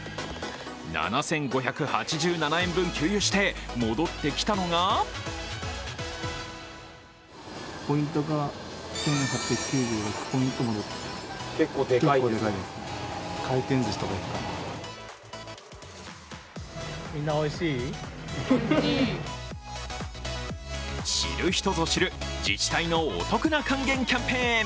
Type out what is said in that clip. ７５８７円分給油して、戻ってきたのが知る人ぞ知る自治体のお得な還元キャンペーン。